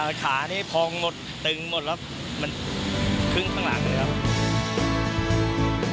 ขานี่พองดตึงหมดแล้วมันครึ่งข้างหลังเลยครับ